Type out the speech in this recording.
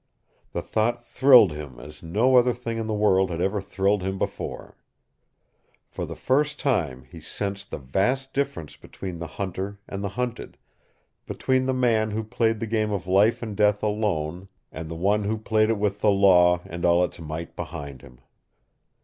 The thought thrilled him as no other thing in the world had ever thrilled him before. For the first time he sensed the vast difference between the hunter and the hunted, between the man who played the game of life and death alone and the one who played it with the Law and all its might behind him.